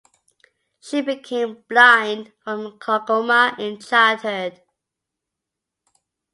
She became blind from glaucoma in childhood.